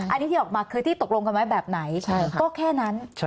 อันนี้ที่ออกมาคือที่ตกลงกันไว้แบบไหนก็แค่นั้น